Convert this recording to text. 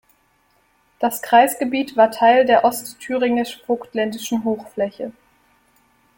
Das Kreisgebiet war Teil der Ostthüringisch-Vogtländischen Hochfläche.